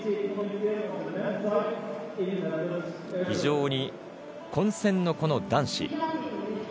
非常に混戦の男子。